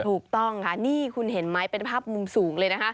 ถูกต้องค่ะนี่คุณเห็นไหมเป็นภาพมุมสูงเลยนะคะ